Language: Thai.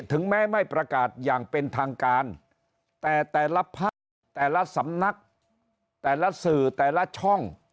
ถึงแม้ไม่ประกาศอย่างเป็นทางการแต่แต่ละภาคแต่ละสำนักแต่ละสื่อแต่ละช่อง